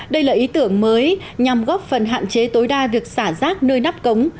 đây là ý tưởng mới nhằm góp phần hạn chế tối đa việc xả rác nơi nắp cống